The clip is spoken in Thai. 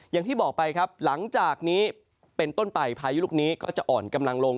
อย่างที่บอกไปครับหลังจากนี้เป็นต้นไปพายุลูกนี้ก็จะอ่อนกำลังลง